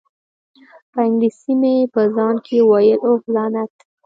په انګلیسي مې په ځان کې وویل: اوه، لعنت!